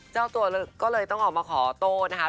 เจ้าตัวก็เลยต้องออกมาขอโต้นะคะ